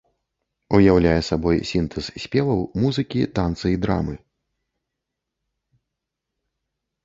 Уяўляе сабой сінтэз спеваў, музыкі, танца і драмы.